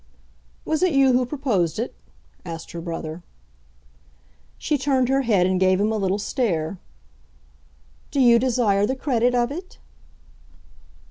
"Was it you who proposed it?" asked her brother. She turned her head and gave him a little stare. "Do you desire the credit of it?"